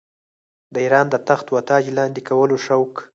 د اېران د تخت و تاج لاندي کولو شوق.